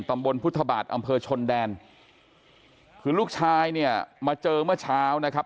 ตำบลพุทธบาทอำเภอชนแดนคือลูกชายเนี่ยมาเจอเมื่อเช้านะครับ